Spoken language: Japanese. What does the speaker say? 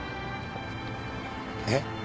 えっ？